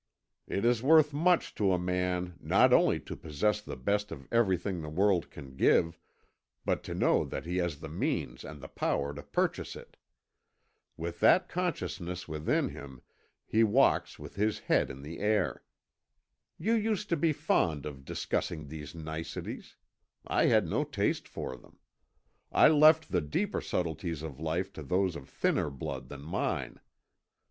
It is worth much to a man not only to possess the best of everything the world can give, but to know that he has the means and the power to purchase it. With that consciousness within him, he walks with his head in the air. You used to be fond of discussing these niceties; I had no taste for them. I left the deeper subtleties of life to those of thinner blood than mine.